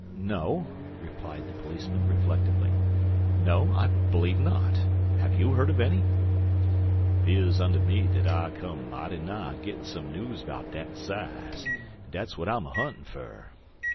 "No," replied the policeman, reflectively. "No, I believe not. Have you heard of any?" "'Pears unter me dat I come mighty nigh gittin' some news bout dat size, an' dat's w'at I'm a huntin' fer.